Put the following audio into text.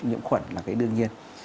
nhiễm khuẩn là cái đương nhiên